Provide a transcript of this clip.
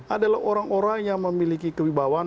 adalah orang orang yang memiliki kewibawaan